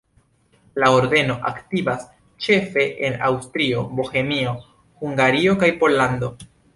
La ordeno aktivas ĉefe en Aŭstrio, Bohemio, Hungario kaj Pollando.